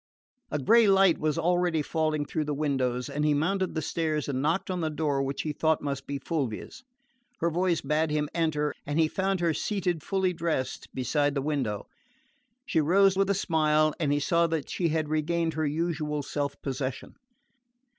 A grey light was already falling through the windows, and he mounted the stairs and knocked on the door which he thought must be Fulvia's. Her voice bade him enter and he found her seated fully dressed beside the window. She rose with a smile and he saw that she had regained her usual self possession.